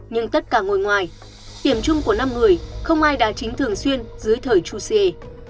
nhưng tất cả ngôi ngoài điểm chung của năm người không ai đa chính thường xuyên dưới thời chu xie